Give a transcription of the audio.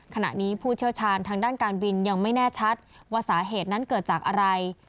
ขณะนี้ผู้เชี่ยวชาญทางด้านการบินยังไม่แน่ชัดว่าสาเหตุนั้นเกิดจากอะไร